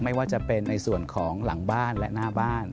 ไม่ว่าจะเป็นในส่วนของหลังบ้านและหน้าบ้าน